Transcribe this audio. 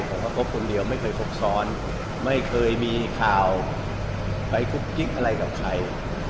ผมก็คบคนเดียวไม่เคยครบซ้อนไม่เคยมีข่าวไปคุกกิ๊กอะไรกับใคร